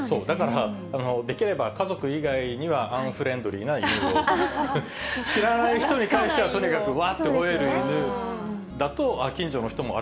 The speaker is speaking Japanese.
できれば家族以外にはアンフレンドリーな犬を、知らない人に対してはとにかくわんと吠える犬だと、近所の人も、あれ？